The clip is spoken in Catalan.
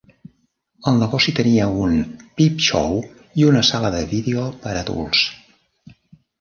El negoci tenia un 'peep-show' i una sala de vídeo per a adults.